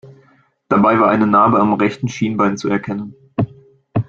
Dabei war eine Narbe am rechten Schienbein zu erkennen.